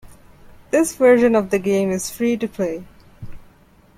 This version of the game is free to play.